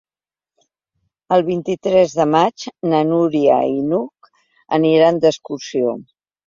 El vint-i-tres de maig na Núria i n'Hug aniran d'excursió.